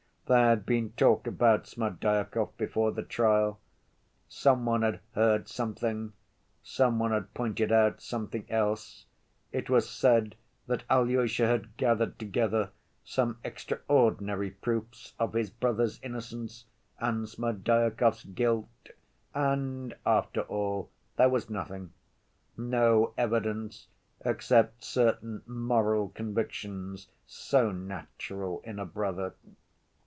There had been talk about Smerdyakov before the trial; some one had heard something, some one had pointed out something else, it was said that Alyosha had gathered together some extraordinary proofs of his brother's innocence and Smerdyakov's guilt, and after all there was nothing, no evidence except certain moral convictions so natural in a brother.